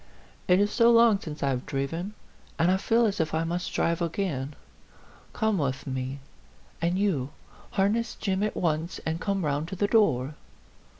It is so long since I have driven, and I feel as if I must drive again. Come with me. And you, harness Jim at once and come round to the door."